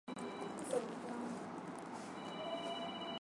Kwa ujumla zinathibitisha ya kwamba Yesu alikuwepo